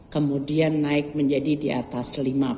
kemudian naik menjadi di atas lima puluh